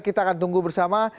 kita akan tunggu bersama